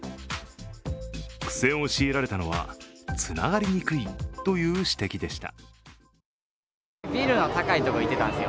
苦戦を強いられたのはつながりにくいという指摘でした。